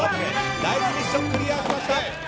第１ミッションクリアしました。